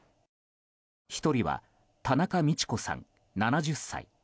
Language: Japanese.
１人は田中路子さん、７０歳。